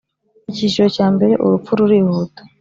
Icyiciro Cya Mbere Urupfu Rurihuta